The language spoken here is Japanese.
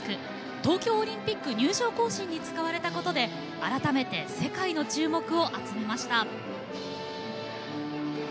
東京オリンピック入場行進に使われたことで改めて世界の注目を集めました。